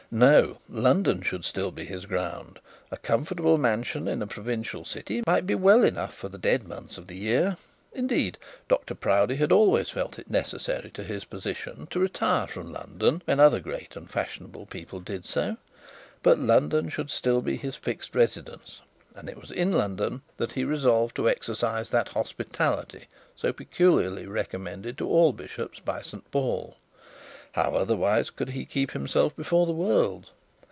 No: London should still be his ground: a comfortable mansion in a provincial city might be well enough for the dead months of the year. Indeed Dr Proudie had always felt it necessary to his position to retire from London when other great and fashionable people did so; but London should still be his fixed residence, and it was in London that he resolved to exercise that hospitality so peculiarly recommended to all bishops by St Paul. How otherwise could he keep himself before the world?